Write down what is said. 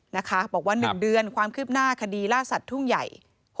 นะคะบอกว่า๑เดือนความคืบหน้าคดีล่าสัตว์ทุ่งใหญ่